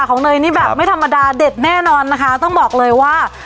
เนยนี่แบบไม่ธรรมดาเด็ดแน่นอนนะคะต้องบอกเลยว่า